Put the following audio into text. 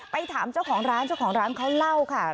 ไปถามเจ้าของร้านเจ้าของร้านเขาเล่าค่ะ